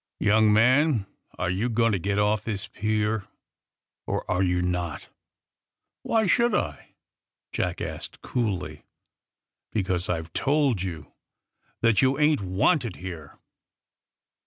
^' Young man, are you going to get off this pier, or are you not?^^ *^Why should IT' Jack asked coolly. ^^ Because IVe told you that you ain't wanted here!''